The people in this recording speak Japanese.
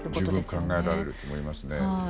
十分考えられると思いますね。